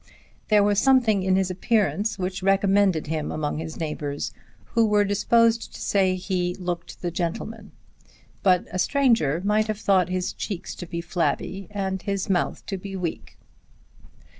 There was something in his appearance which recommended him among his neighbours, who were disposed to say he "looked the gentleman;" but a stranger might have thought his cheeks to be flabby and his mouth to be weak.